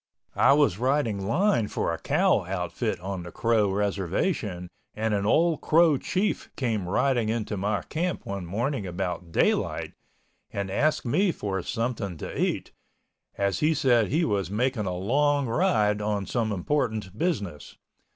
I was riding line for a cow outfit on the Crow Reservation and an old Crow Chief came riding into my camp one morning about daylight, and asked me for something to eat, as he said he was making a long ride on some important business.